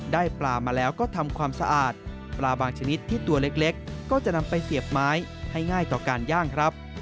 ได้ปลามาแล้วก็ทำความสะอาดปลาบางชนิดที่ตัวเล็กก็จะนำไปเสียบไม้ให้ง่ายต่อการย่างครับ